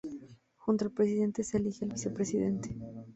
Junto al presidente se elige el vicepresidente.